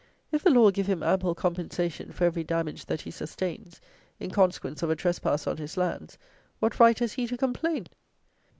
If the law give him ample compensation for every damage that he sustains, in consequence of a trespass on his lands, what right has he to complain?